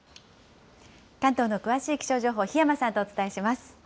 関東の詳しい気象情報、檜山さんとお伝えします。